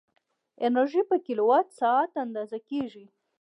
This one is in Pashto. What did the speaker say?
انرژي په کیلووات ساعت اندازه کېږي.